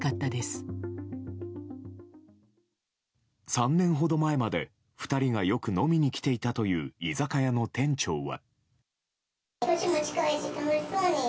３年ほど前まで２人がよく飲みに来ていたという居酒屋の店長は。